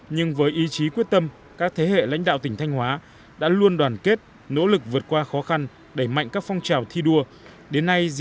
nhưng với ý chí quyết tâm các thế hệ lãnh đạo tỉnh thanh hóa đã luôn đoàn kết nỗ lực vượt qua khó khăn đẩy mạnh các phong trào thi đua